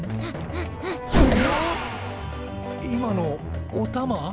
今のおたま？